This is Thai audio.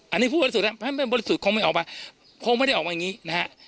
อันนี้ผู้บริสุทธิ์ไม่บริสุทธิ์คงไม่ออกมาคงไม่ได้ออกมาอย่างนี้นะฮะ